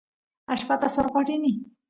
allpata saroq rini